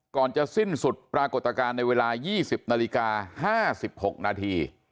ก่อนจะสิ้นสุดปรากฏการณ์ในเวลา๒๐นาฬิกา๕๖นาที